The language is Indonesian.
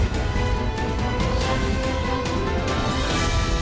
salam pagi terima kasih